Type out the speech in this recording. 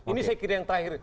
ini saya kira yang terakhir